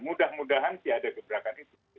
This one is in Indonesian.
mudah mudahan sih ada gebrakan itu